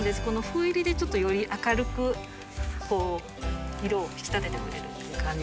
この斑入りでちょっとより明るく色を引き立ててくれる感じあります。